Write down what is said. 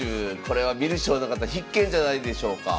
これは観る将の方必見じゃないでしょうか。